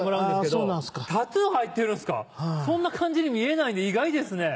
そんな感じに見えないんで意外ですね。